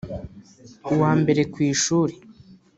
uwa mbere ku ishuri;